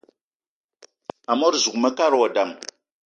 Amot zuga mekad wa dam: